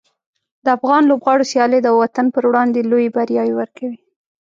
د افغان لوبغاړو سیالۍ د وطن پر وړاندې لویې بریاوې ورکوي.